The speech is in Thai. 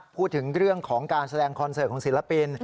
พูดถึงเรื่องของการแสดงคอนเสิร์ตของศิลปิน